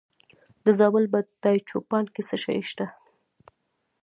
د زابل په دایچوپان کې څه شی شته؟